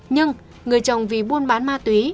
nhưng người chồng vì buôn bán ma túy